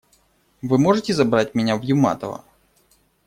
Вы можете забрать меня в Юматово?